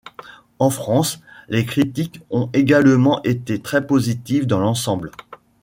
En France, les critiques ont également été très positives dans l'ensemble.